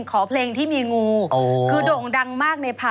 ใครคือน้องใบเตย